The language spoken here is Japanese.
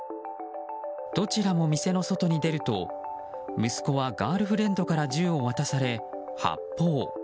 どちらも店の外に出ると息子はガールフレンドから銃を渡され、発砲。